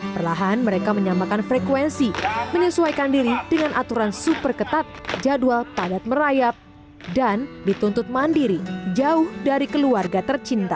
perlahan mereka menyamakan frekuensi menyesuaikan diri dengan aturan super ketat jadwal padat merayap dan dituntut mandiri jauh dari keluarga tercinta